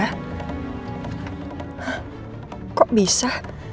hah kok bisa